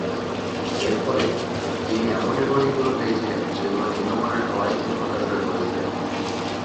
এর ফলে, তিনি এমন রেকর্ডিংগুলো পেয়েছিলেন, যেগুলো নিম্নমানের হওয়ায় তিনি হতাশ হয়ে পড়েছিলেন।